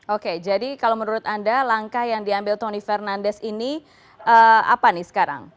oke jadi kalau menurut anda langkah yang diambil tony fernandes ini apa nih sekarang